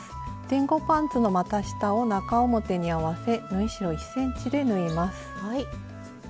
前後パンツのまた下を中表に合わせ縫い代１ｃｍで縫います。